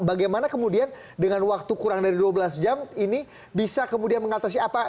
bagaimana kemudian dengan waktu kurang dari dua belas jam ini bisa kemudian mengatasi apa